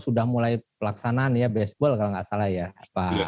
sudah mulai pelaksanaan ya baseball kalau nggak salah ya